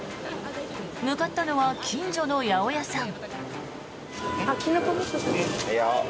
向かったのは近所の八百屋さん。